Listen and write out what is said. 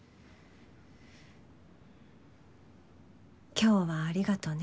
今日はありがとね。